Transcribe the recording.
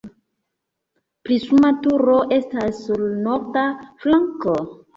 Prisma turo estas sur norda flanko.